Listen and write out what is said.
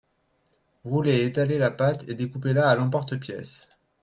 Roulez, étalez la pâte et découpez-la à l’emporte-pièce